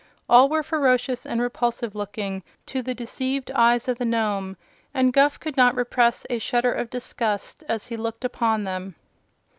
All were ferocious and repulsive looking to the deceived eyes of the Nome, and Guph could not repress a shudder of disgust as he looked upon them.